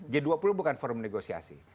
g dua puluh bukan forum negosiasi